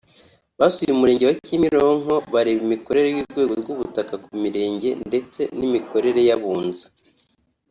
basuye Umurenge wa Kimironko bareba imikorere y’urwego rw’ubutaka ku mirenge ndetse n’imikorere y’abunzi